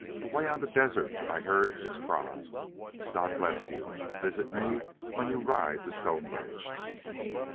'Away on the desert I heard its cry.'... God bless you. Visit me when you ride to Stonebridge."